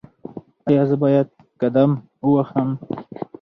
ایا زه باید قدم ووهم؟